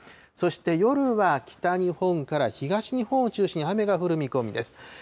そして夜は北日本から東日本を中心に雨が降る見込みです。